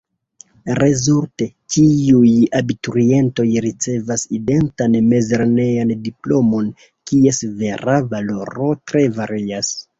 Rezulte: ĉiuj abiturientoj ricevas identan mezlernejan diplomon, kies vera valoro tre varias.